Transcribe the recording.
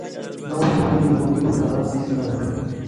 No obtuvo ningún diputado ni senador.